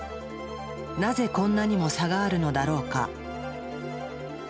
なぜこんなにも差があるのだろうか？